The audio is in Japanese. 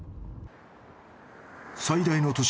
［最大の都市